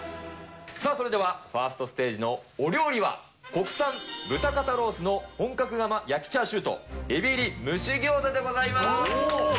さあそれでは、ファーストステージのお料理は、国産豚肩ロースの本格窯焼きチャーシューと海老入り蒸しぎょうざでございます。